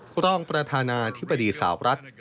รองประธานาธิบดีสาวรัฐ